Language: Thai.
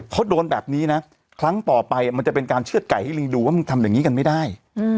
เขาโดนแบบนี้นะครั้งต่อไปมันจะเป็นการเชื่อดไก่ให้ลิงดูว่ามึงทำอย่างนี้กันไม่ได้